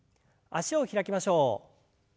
脚を開きましょう。